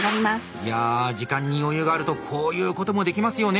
いや時間に余裕があるとこういうこともできますよね。